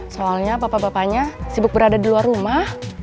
soalnya bapak bapaknya sibuk berada di luar rumah